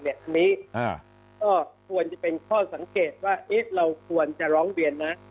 อันนี้ก็ควรจะเป็นข้อสังเกตว่าเราควรจะร้องเรียนไหม